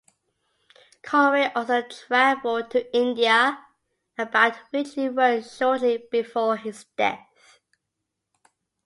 Conway also traveled to India, about which he wrote shortly before his death.